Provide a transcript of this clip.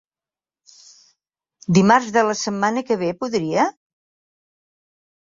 Dimarts de la setmana que ve podria?